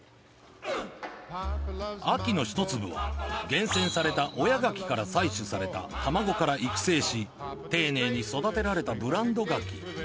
安芸の一粒は厳選された親牡蠣から採取された卵から育成し丁寧に育てられたブランド牡蠣